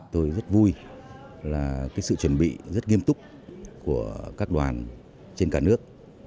tôi rất vui là cái sự chuẩn bị rất nghiêm túc của các đoàn trên cả nước